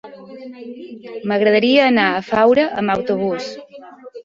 M'agradaria anar a Faura amb autobús.